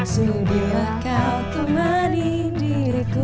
sedia kau temani diriku